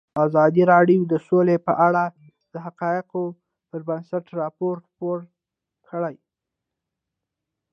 ازادي راډیو د سوله په اړه د حقایقو پر بنسټ راپور خپور کړی.